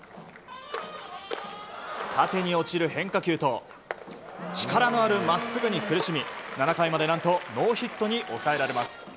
縦に落ちる変化球と力のあるまっすぐに苦しみ７回まで何とノーヒットに抑えられます。